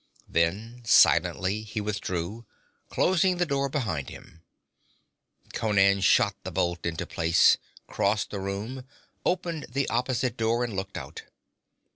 Then silently he withdrew, closing the door behind him. Conan shot the bolt into place, crossed the room, opened the opposite door and looked out.